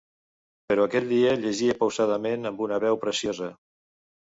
Però aquell dia llegia pausadament, amb una veu preciosa.